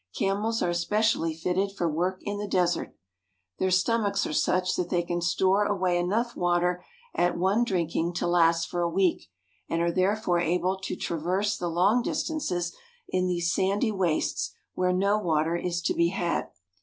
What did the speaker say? Camels are especially fitted for work in the desert. Their 342 IN AN ARABIAN VILLAGE Stomachs are such that they can store away enough water at one drinking to last for a week, and are therefore able to traverse the long distances in these sandy wastes where no water is to be had.